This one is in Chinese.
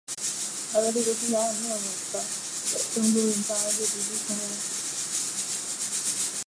亚维力格是亚尔诺的登丹人的儿子及继承人。